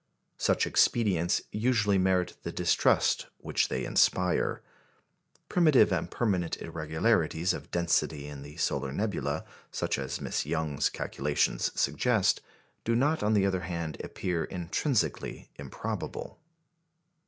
Such expedients usually merit the distrust which they inspire. Primitive and permanent irregularities of density in the solar nebula, such as Miss Young's calculations suggest, do not, on the other hand, appear intrinsically improbable.